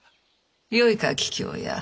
よいか桔梗屋。